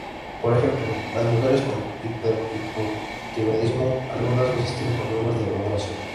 Por ejemplo, las mujeres con hiper- hipotiroidismo algunas veces tienen problemas de ovulación.